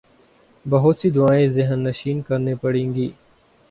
بہت سی دعائیں ذہن نشین کرنی پڑیں گی۔